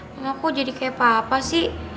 mama kok jadi kayak papa sih